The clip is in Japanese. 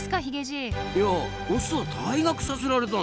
いやオスは退学させられたんでしょ？